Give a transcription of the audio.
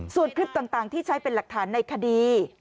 ส่วนคลิปต่างที่ใช้เป็นหลักฐานในคดี